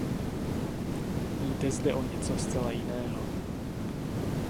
Jde zde o něco zcela jiného.